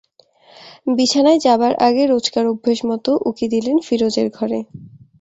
বিছানায় যাবার আগে রোজকার অভ্যোসমতো উঁকি দিলেন ফিরোজের ঘরে।